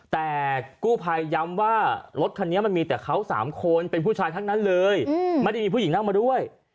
แต่กู้ภัยย้ำว่ารถคันนี้มันมีแต่เขา๓คนเป็นผู้ชายทั้งนั้นเลยไม่ได้มีผู้หญิงนั่งมาด้วย